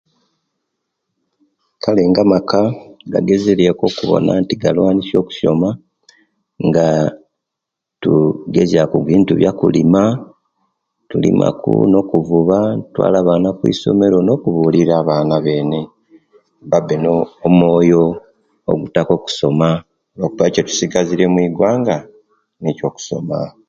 Kale nga maka gasoboire ku okubona nti galwanisiya okusoma nga tugexiya ku bintu biyakulima tulima ki no kivuba nititwala abaana kwisomero nokubulira abaana bene babe nomoyo gwo kusoma lwakuba ekituzihaziriye omwigwanga Nico okusoma